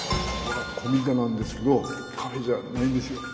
古民家なんですけどカフェじゃないんですよ。